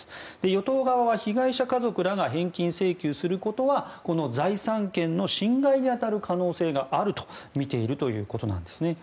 与党側は、被害者家族らが返金請求することはこの財産権の侵害に当たる可能性があるとみているということなんですね。